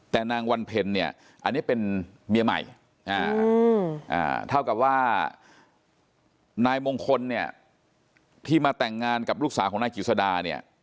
แต่นางวันเพ็ญเนี่ยอันนี้เป็นเมียใหม่เท่ากับว่านายมงคลเนี่ยที่มาแต่งงานกับลูกสาวของนายกิจสดาเนี่ย